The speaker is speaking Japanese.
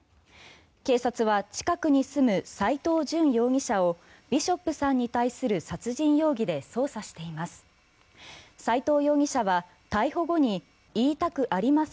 警察は近くに住む斎藤淳容疑者をビショップさんに対する殺人容疑で捜査しています。